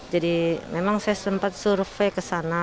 jadi memang saya sempat survei ke sana